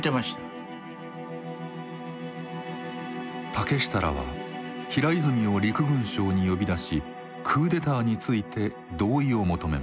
竹下らは平泉を陸軍省に呼び出しクーデターについて同意を求めます。